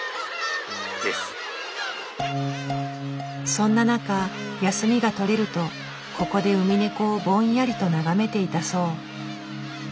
そんな中休みが取れるとここでウミネコをぼんやりと眺めていたそう。